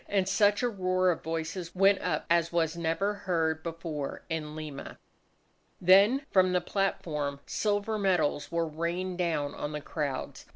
And such a roar of voices went up as was never heard before in Lima. Then from the platform silver medals were rained down on the crowds.